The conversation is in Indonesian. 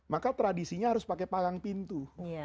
maka tradisinya harus pakai palang pintu